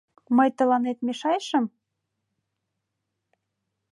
Мый тыланет мешайышым?..